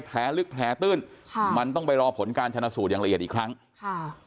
แผลลึกแผลตื้นค่ะมันต้องไปรอผลการชนะสูตรอย่างละเอียดอีกครั้งค่ะ